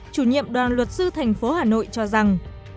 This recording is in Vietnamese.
chủ nhiệm đoàn luật sư thành phố hà nội cho rằng